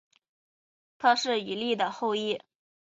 他是以利的后裔。